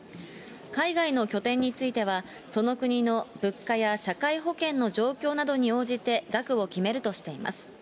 海外の拠点については、その国の物価や社会保険の状況などに応じて額を決めるとしています。